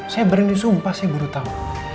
saya berani sumpah saya guru tahu